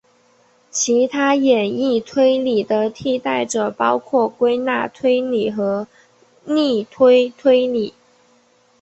其他演绎推理的替代者包括归纳推理和逆推推理。